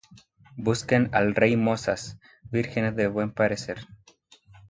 Busquen al rey mozas vírgenes de buen parecer;